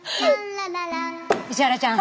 石原ちゃん！